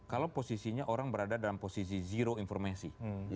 kalau posisinya orang berada dalam posisi zero informasi